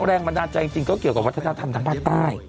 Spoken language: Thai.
แรงบันดาลใจจริงก็เกี่ยวกับวัฒนธรรมทางภาคใต้